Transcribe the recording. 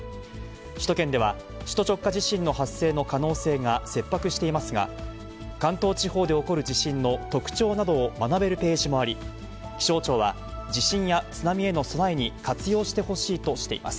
首都圏では首都直下地震の発生の可能性が切迫していますが、関東地方で起こる地震の特徴などを学べるページもあり、気象庁は、地震や津波への備えに活用してほしいとしています。